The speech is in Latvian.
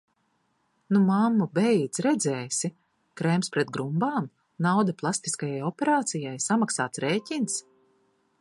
"Nu, mammu, beidz, redzēsi!" Krēms pret grumbām? Nauda plastiskajai operācijai, samaksāts rēķins?